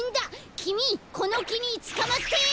きみこのきにつかまって！